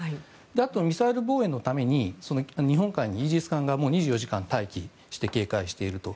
あとミサイル防衛のために日本海にイージス艦が２４時間待機して警戒していると。